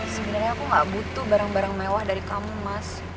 sebenarnya aku gak butuh barang barang mewah dari kamu mas